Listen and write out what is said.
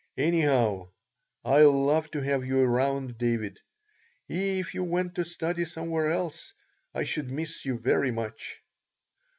Anyhow, I love to have you around, David. If you went to study somewhere else I should miss you very much."